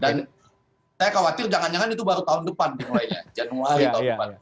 dan saya khawatir jangan jangan itu baru tahun depan mulainya januari tahun depan